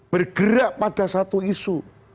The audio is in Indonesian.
bergerak pada satu isu